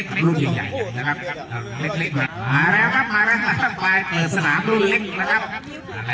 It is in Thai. จัดงานประเทศนี้พี่ควายนะครับคนร่วมเรามาแจ้งเราจะ